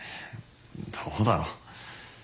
どうだろ？